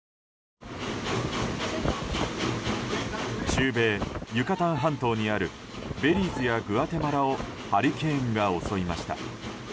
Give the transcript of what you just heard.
中米ユカタン半島にあるベリーズやグアテマラをハリケーンが襲いました。